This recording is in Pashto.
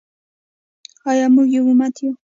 آیا موږ یو امت یو؟